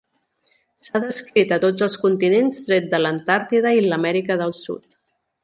S'ha descrit a tots els continents tret de l'Antàrtida i l'Amèrica del Sud.